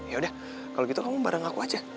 yaudah kalo gitu kamu bareng aku aja